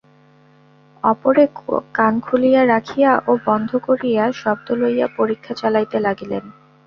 অপরে কান খুলিয়া রাখিয়া ও বন্ধ করিয়া, শব্দ লইয়া পরীক্ষা চালাইতে লাগিলেন।